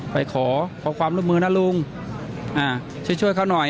ไปขอขอความร่วมมือนะลุงช่วยช่วยเขาหน่อย